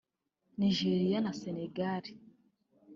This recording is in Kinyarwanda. Niger na Senegal